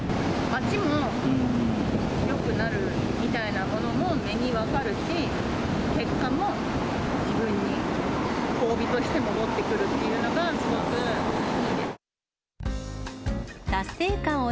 街もよくなるみたいなものも、目に分かるし、結果も自分に褒美として戻ってくるっていうのがすごく好きです。